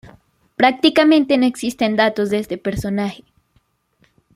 Prácticamente no existen datos de este personaje.